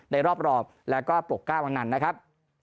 ในรอบแล้วก็ปกก้าวมานานนะครับ